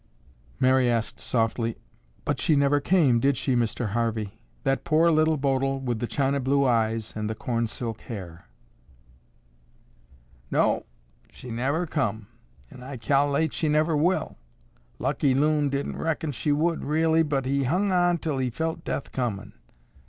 Mary asked softly, "But she never came, did she, Mr. Harvey? That poor Little Bodil with the china blue eyes and the corn silk hair." "No, she never come, an' I cal'late she never will. Lucky Loon didn't reckon she would, really, but he hung on till he felt death comin'.